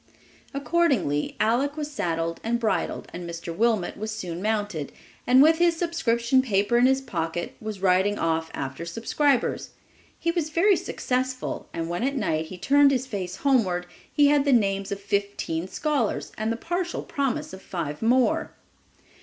Accordingly Aleck was saddled and bridled and Mr. Wilmot was soon mounted and, with his subscription paper in his pocket, was riding off after subscribers. He was very successful; and when at night he turned his face homeward, he had the names of fifteen scholars and the partial promise of five more.